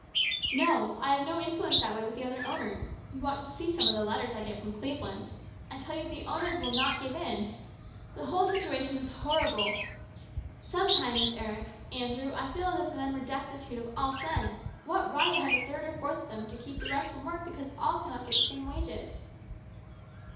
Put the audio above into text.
" No, I have no influence that way with the other owners. You ought to see some of the letters I get from Cleveland. I tell you the owners will not give 200 HIS BROTHER'S KEEPER. in. The whole situation is horrible. Sometimes, Eric, Andrew, I feel as if the men were destitute of all sense. What right have a third or a fourth of them to keep the rest from work because all cannot get the same wages